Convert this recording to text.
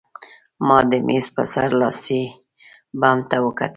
ما د مېز په سر لاسي بم ته وکتل